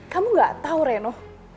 kamu gak tahu reno